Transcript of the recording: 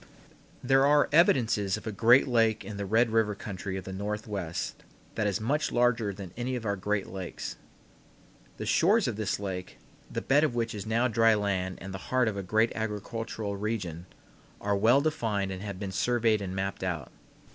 There are evidences of a great lake in the Red River country of the Northwest that is much larger than any of our greatest lakes. The shores of this lake the bed of which is now dry land and the heart of a great agricultural region are well defined and have been surveyed and mapped out.